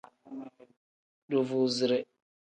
Duvuuzire.